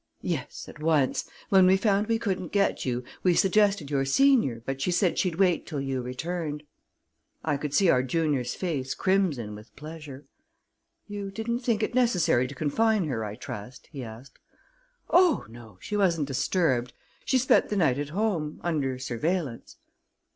"Yes, at once. When we found we couldn't get you, we suggested your senior, but she said she'd wait till you returned." I could see our junior's face crimson with pleasure. "You didn't think it necessary to confine her, I trust?" he asked. "Oh, no; she wasn't disturbed. She spent the night at home under surveillance."